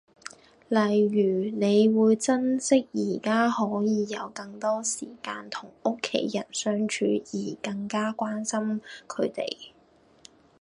例如你會珍惜宜家可以有更多時間同屋企人相處而更加關心佢哋